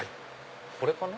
これかな。